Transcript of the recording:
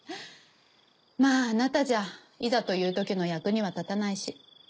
まぁあなたじゃいざというときの役には立たないし。